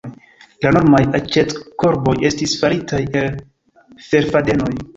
La normaj aĉetkorboj estis faritaj el ferfadenoj.